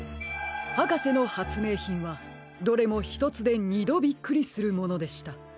はかせのはつめいひんはどれもひとつでにどびっくりするものでした。